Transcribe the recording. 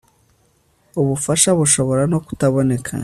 ubufasha bushobora no kutaboneka